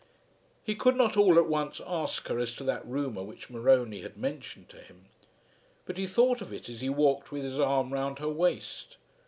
He could not all at once ask her as to that rumour which Morony had mentioned to him. But he thought of it as he walked with his arm round her waist.